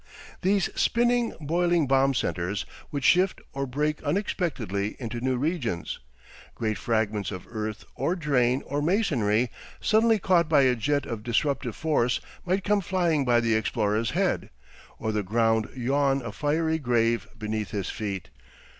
These spinning, boiling bomb centres would shift or break unexpectedly into new regions, great fragments of earth or drain or masonry suddenly caught by a jet of disruptive force might come flying by the explorer's head, or the ground yawn a fiery grave beneath his feet.